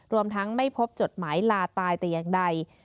รวมทั้งไม่พบจดหมายลาตายแต่อย่างใด